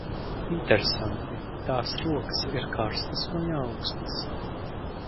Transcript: Interesanti, tās rokas ir karstas vai aukstas?